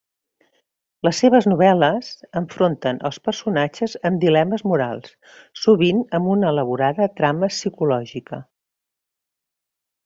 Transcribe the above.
Les seves novel·les enfronten els personatges amb dilemes morals, sovint amb una elaborada trama psicològica.